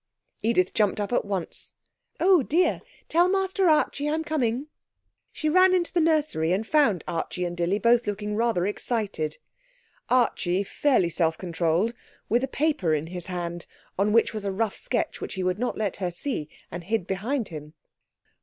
Edith jumped up at once. 'Oh dear! Tell Master Archie I'm coming.' She ran into the nursery and found Archie and Dilly both looking rather excited; Archie, fairly self controlled, with a paper in his hand on which was a rough sketch which he would not let her see, and hid behind him.